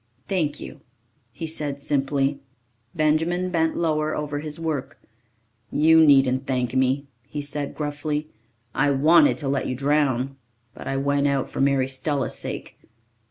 "Thank you," he said simply. Benjamin bent lower over his work. "You needn't thank me," he said gruffly. "I wanted to let you drown. But I went out for Mary Stella's sake.